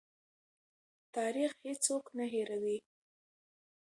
تاریخ هېڅوک نه هېروي.